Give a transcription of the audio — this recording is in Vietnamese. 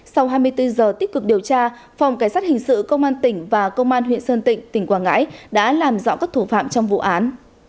sau hai mươi bốn giờ tích cực điều tra phòng cảnh sát hình sự công an tỉnh và công an huyện sơn tịnh tỉnh quảng ngãi đã làm rõ các thủ phạm trong vụ án